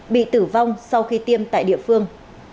bị tử vong sau khi tiêm tại địa phương